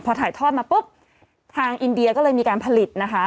พอถ่ายทอดมาปุ๊บทางอินเดียก็เลยมีการผลิตนะคะ